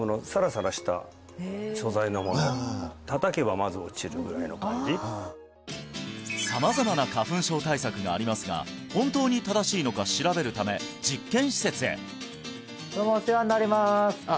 何か加湿なのかなと様々な花粉症対策がありますが本当に正しいのか調べるため実験施設へどうもお世話になりますあっ